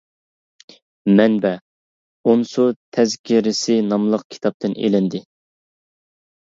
مەنبە: ئونسۇ تەزكىرىسى ناملىق كىتابتىن ئېلىندى.